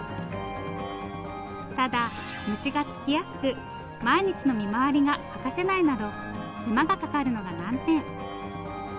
ただ虫がつきやすく毎日の見回りが欠かせないなど手間がかかるのが難点。